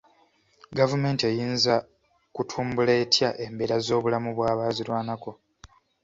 Gavumenti eyinza kutumbukla etya embera z'obulamu bw'abaazirwanako?